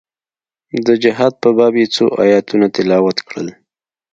د جهاد په باب يې څو ايتونه تلاوت کړل.